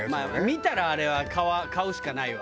見たらあれは買うしかないわ。